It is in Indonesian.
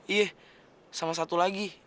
iya sama satu lagi